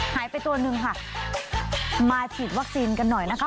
หายไปตัวหนึ่งค่ะมาฉีดวัคซีนกันหน่อยนะคะ